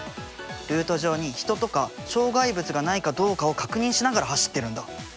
ルート上に人とか障害物がないかどうかを確認しながら走ってるんだ。